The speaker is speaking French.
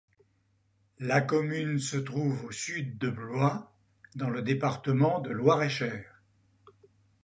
La commune se trouve au sud de Blois, dans le département de Loir-et-Cher.